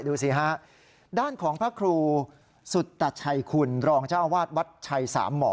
ดูสิฮะด้านของพระครูสุตชัยคุณรองเจ้าอาวาสวัดชัยสามหมอ